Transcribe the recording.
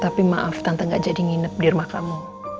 tapi maaf tante gak jadi nginep di rumah kamu